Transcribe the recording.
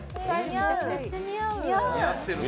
めっちゃ似合う。